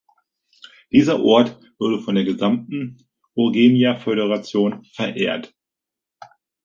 Dieser Ort wurde von der gesamten Ouerghemma-Föderation verehrt.